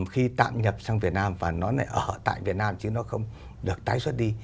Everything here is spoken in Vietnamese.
khi tạm nhập sang việt nam và nó lại ở tại việt nam chứ nó không được tái xuất đi